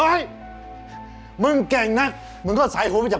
อย่าพากเขามาให้เด็กเห็น